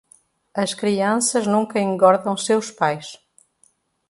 As crianças nunca engordam seus pais.